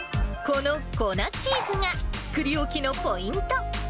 この粉チーズが、作り置きのポイント。